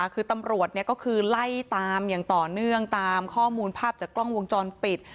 คือตำรวจก็คือไล่ตามอย่างต่อเนื่องตามข้อมูลภาพจากกล้องวงจรปิด